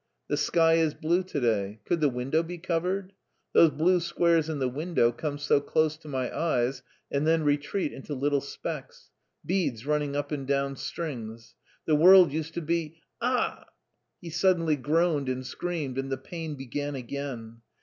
The sky is blue to day. Could the window be covered? Those blue squares in the window come so dose to my eyes and then re treat into little specks — beads running up and down strings. The world used to be — ^Ah !" He suddenly groaned and screamed and the pain began again.